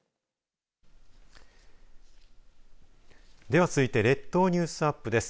では続いて列島ニュースアップです。